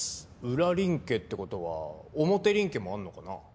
裏林家ってことは表林家もあんのかな。